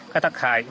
các tác hại